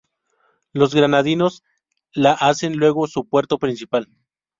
Los granadinos la hacen luego su puerto principal.